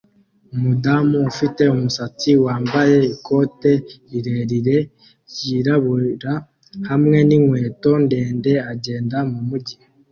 Umudamu ufite umusatsi wambaye ikote rirerire ryirabura hamwe ninkweto ndende agenda mumujyi